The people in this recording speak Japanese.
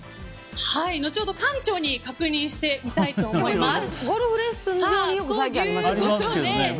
後ほど、館長に確認してみたいと思います。